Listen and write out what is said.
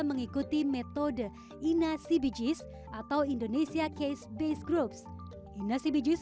mengikuti metode ina cbgs atau indonesia case based groups